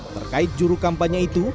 terkait jurukampanye itu